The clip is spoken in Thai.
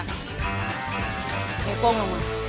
ยกโกงลงมือ